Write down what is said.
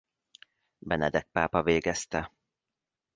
Benedek pápa végezte.